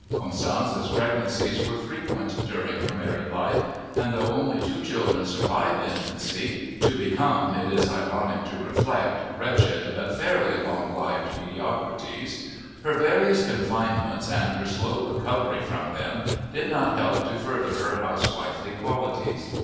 Constanze's pregnancies were frequent during her married life and, though only two children survived infancy (to become, it is ironic to reflect, wretched but fairly long lived mediocrities), her various confinements and her slow recovery from them did not help to further her housewifely qualities.